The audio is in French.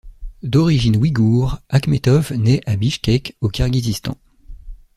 D'origine ouïgoure, Akhmetov naît à Bichkek au Kirghizistan.